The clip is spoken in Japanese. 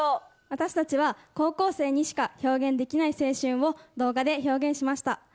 私たちは高校生にしか表現できない青春を動画で表現しました。